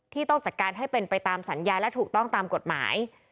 ต้องจัดการให้เป็นไปตามสัญญาและถูกต้องตามกฎหมาย